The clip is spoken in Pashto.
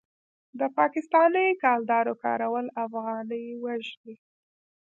د پاکستانۍ کلدارو کارول افغانۍ وژني.